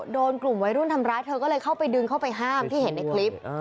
โดนกลุ่มวัยรุ่นทำร้ายเธอก็เลยเข้าไปดึงเข้าไปห้ามที่เห็นในคลิป